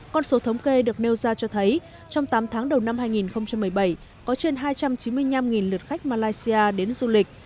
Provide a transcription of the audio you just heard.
con số thống kê được nêu ra cho thấy trong tám tháng đầu năm hai nghìn một mươi bảy có trên hai trăm chín mươi năm lượt khách malaysia đến du lịch